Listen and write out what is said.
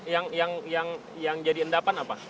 yang jadi endapan apa